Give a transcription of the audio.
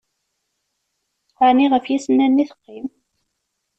Ɛni, ɣef yisennanen i teqqim?